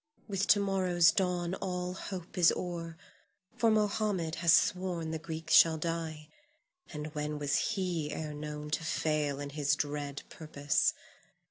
With to morrow's dawn all hope is o'er, for Mohammed hath sworn the Greek shall die, and when was he ere known to fail in his dread purpose?